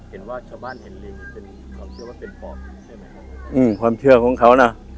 เห็นว่าชาวบ้านเห็นลิงนี่เป็นความเชื่อว่าเป็นปอดใช่ไหมครับอืมความเชื่อของเขานะ